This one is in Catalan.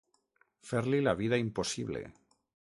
Fer-li la vida impossible.